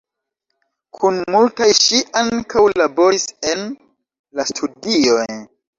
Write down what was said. Kun multaj ŝi ankaŭ laboris en la studioj.